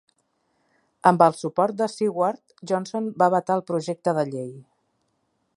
Amb el suport de Seward, Johnson va vetar el projecte de llei.